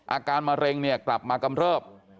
อาการมะเร็งกลับมากำเนิบ